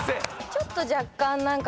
ちょっと若干何か。